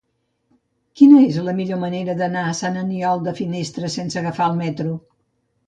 Quina és la millor manera d'anar a Sant Aniol de Finestres sense agafar el metro?